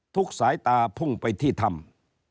สายตาพุ่งไปที่ถ้ำ